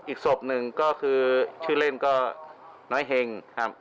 อีกศพหนึ่งชื่อเล่นหน้าเฮง